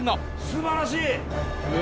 すばらしいね。